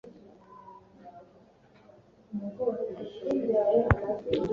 Firime ifite ibyiringiro byinshi mubushobozi bwawe.